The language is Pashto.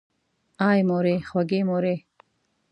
آی مورې خوږې مورې!